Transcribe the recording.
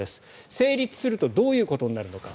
成立するとどういうことになるのか。